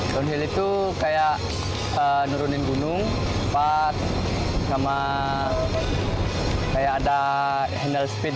downhill itu seperti menurun gunung seperti ada handle speed